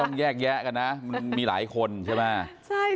ก็ต้องแยกแยะกันนะมีหลายคนใช่ไหม